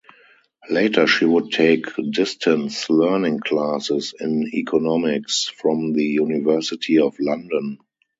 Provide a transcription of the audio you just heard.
Later she would take distance learning classes in economics from the University of London.